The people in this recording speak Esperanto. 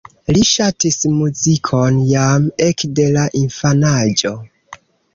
Li ŝatis muzikon jam ekde la infanaĝo.